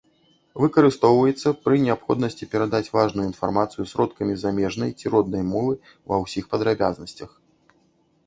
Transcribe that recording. Выкарыстоўваецца пры неабходнасці перадаць важную інфармацыю сродкамі замежнай ці роднай мовы ва ўсіх падрабязнасцях.